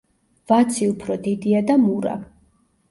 ვაცი უფრო დიდია და მურა.